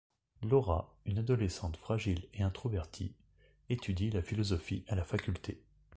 Laura, une adolescente fragile et introvertie, étudie la philosophie à la faculté.